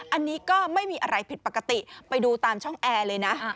อันนี้ก็ไม่มีอะไรผิดปกติไปดูตามช่องแอร์เลยนะ